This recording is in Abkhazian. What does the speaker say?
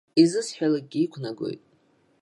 Изысҳәалакгьы иқәнагоит.